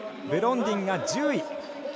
ブロンディンが１０位。